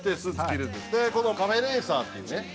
でこのカフェレーサーっていうね